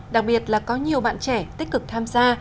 đặc biệt là có nhiều bạn trẻ tích cực tham gia